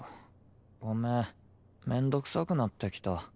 ごめん面倒くさくなってきた。